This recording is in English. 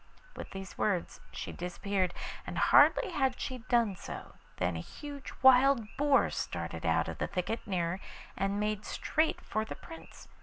With these words she disappeared, and hardly had she done so than a huge wild boar started out of the thicket near and made straight for the Prince.